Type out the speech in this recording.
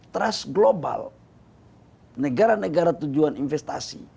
trust global negara negara tujuan investasi